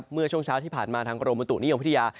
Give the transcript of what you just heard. เมื่อช่วงเช้าที่ผ่านมาทางกรมบุตุนิยมวิทยา